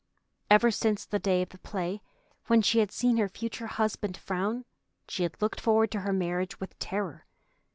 Ever since the day of the play when she had seen her future husband frown, she had looked forward to her marriage with terror.